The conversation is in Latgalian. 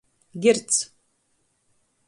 Girts.